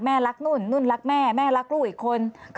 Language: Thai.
รักนุ่นนุ่นรักแม่แม่รักลูกอีกคน